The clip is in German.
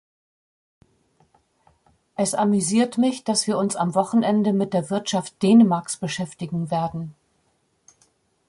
Es amüsiert mich, dass wir uns am Wochenende mit der Wirtschaft Dänemarks beschäftigen werden.